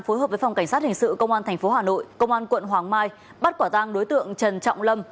phối hợp với phòng cảnh sát hình sự công an tp hà nội công an quận hoàng mai bắt quả tang đối tượng trần trọng lâm